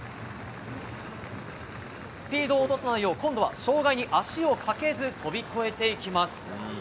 スピードを落とさないよう、今度は障害に足をかけず飛び越えていきます。